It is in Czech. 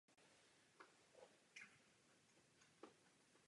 Koruna.